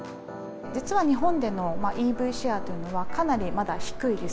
実は日本でのＥＶシェアというのは、かなりまだ低いです。